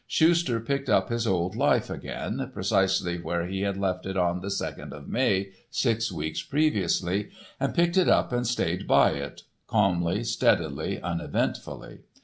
Schuster picked up his old life again precisely where he had left it on the second of May, six weeks previously—picked it up and stayed by it, calmly, steadily, uneventfully.